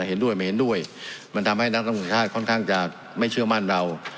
เห็นด้วยไม่เห็นด้วยมันทำให้นักการเมืองชาติค่อนข้างจะไม่เชื่อมั่นเรา